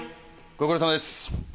ご苦労さまです。